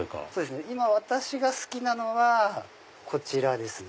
今私が好きなのはこちらですね。